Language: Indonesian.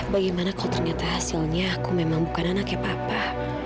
bagaimana kalau ternyata hasilnya aku memang bukan anaknya papa